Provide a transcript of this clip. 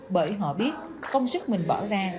bởi họ biết công sức mình bỏ ra